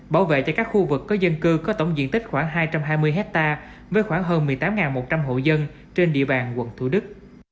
bảo vệ cho các khu vực có dân cư có tổng diện tích khoảng hai trăm hai mươi hectare với khoảng hơn một mươi tám một trăm linh hộ dân trên địa bàn quận thủ đức